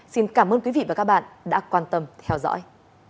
xin cảm ơn quý vị và các bạn đã quan tâm theo dõi